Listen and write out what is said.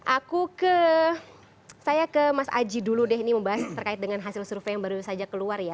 aku ke saya ke mas aji dulu deh ini membahas terkait dengan hasil survei yang baru saja keluar ya